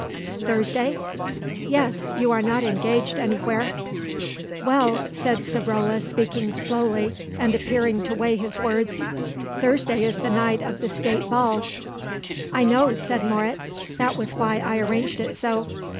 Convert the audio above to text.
"Thursday?" "Yes, you are not engaged anywhere." "Well," said Savrola speaking slowly and appearing to weigh his words, "Thursday is the night of the State Ball." "I know," said Moret, "that was why I arranged it so.